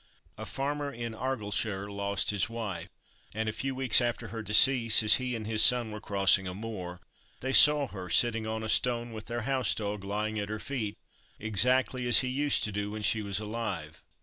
A farmer in Argyleshire lost his wife, and a few weeks after her decease, as he and his son were crossing a moor, they saw her sitting on a stone, with their house dog lying at her feet, exactly as he used to do when she was alive.